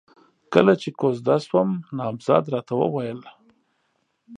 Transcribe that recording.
کله چې کوژده شوم، نامزد راته وويل: